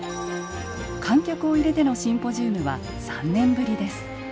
観客を入れてのシンポジウムは３年ぶりです。